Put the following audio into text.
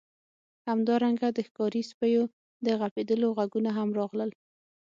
همدارنګه د ښکاري سپیو د غپیدلو غږونه هم راغلل